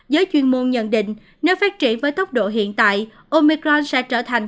giới chuyên môn nhận định nếu phát triển với tốc độ hiện tại omicron sẽ trở thành